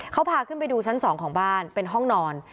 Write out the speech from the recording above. เขาพาขึ้นไปดูชั้น๒ของบ้านเป็นห้องนอน